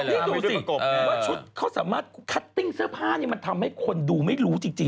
ว่าชุดเค้าขายสูตรที่สามารถติดสภาพทำให้คนดูไม่รู้จริง